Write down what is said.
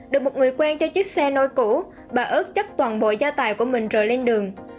được một người quen cho chiếc xe nôi cũ bà ước chắc toàn bộ gia tài của mình rời lên đường